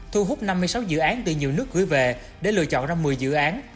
thu hút năm mươi sáu dự án từ nhiều nước gửi về để lựa chọn ra một mươi dự án